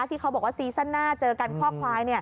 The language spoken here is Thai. ที่เขาบอกว่าซีซั่นหน้าเจอกันข้อควาย